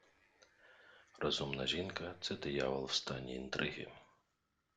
Розумна жінка - це диявол в стані інтриги